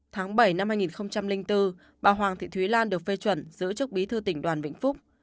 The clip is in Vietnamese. tháng bảy năm hai nghìn bốn bà hoàng thị thúy lan được phê chuẩn giữ chức bí thư tỉnh đoàn vĩnh phúc